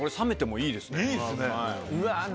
いいっすね。